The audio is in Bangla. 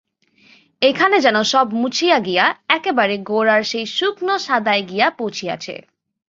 এখানে যেন সব মুছিয়া গিয়া একেবারে গোড়ার সেই শুকনো সাদায় গিয়া পৌঁছিয়াছে।